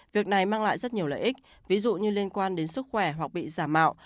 việc này mang lại rất nhiều lợi ích ví dụ như liên quan đến sức khỏe hoặc bị giả mạo